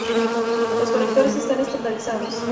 Los conectores están estandarizados.